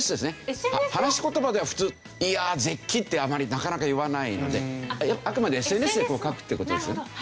話し言葉では普通「いや絶起！」ってあまりなかなか言わないのであくまでＳＮＳで書くって事ですね。